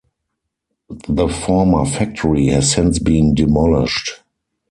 The former factory has since been demolished.